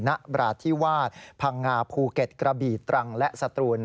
นบราธิวาสพังงาภูเก็ตกระบีตรังและสตรูน